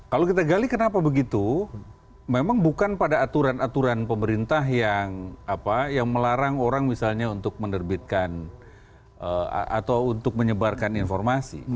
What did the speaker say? kalau kita gali kenapa begitu memang bukan pada aturan aturan pemerintah yang melarang orang misalnya untuk menerbitkan atau untuk menyebarkan informasi